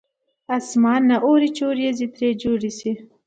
اسمان نه اوري چې ورېځې ترې جوړې شي.